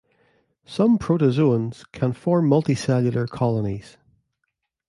Some protozoans can form multicellular colonies.